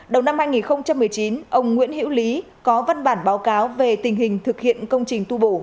đầu năm hai nghìn một mươi chín ông nguyễn hữu lý có văn bản báo cáo về tình hình thực hiện công trình tu bổ